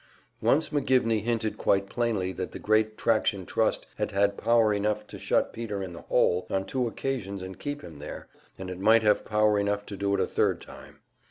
Once McGivney hinted quite plainly that the great Traction Trust had had power enough to shut Peter in the "hole" on two occasions and keep him there, and it might have power enough to do it a third time.